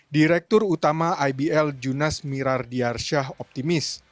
direktur utama ibl junas mirardiyarsyah optimis